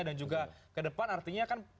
dan juga ke depan artinya kan